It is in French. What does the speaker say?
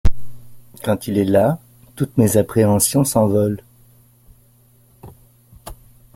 Quand il est là, toutes mes appréhensions s’envolent.